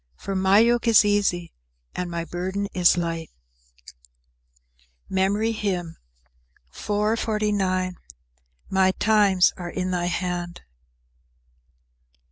For my yoke is easy and my burden is light." MEMORY HYMN _"My times are in thy hand."